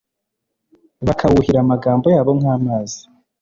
bakawuhira amagambo yabo nk'amazi